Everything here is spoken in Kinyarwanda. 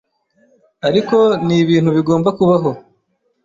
ariko ni ibintu bigomba kubaho,